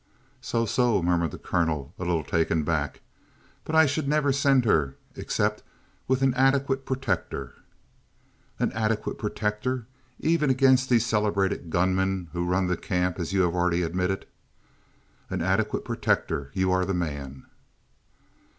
"So! So!" murmured the colonel, a little taken aback. "But I should never send her except with an adequate protector." "An adequate protector even against these celebrated gunmen who run the camp as you have already admitted?" "An adequate protector you are the man!"